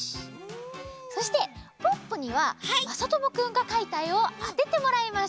そしてポッポにはまさともくんがかいたえをあててもらいます。